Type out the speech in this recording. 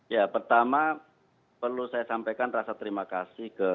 ya pertama perlu saya sampaikan rasa terima kasih